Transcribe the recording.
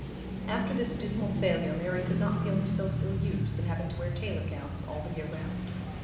After this dismal failure Mary could not feel herself ill used in having to wear tailor gowns all the year round.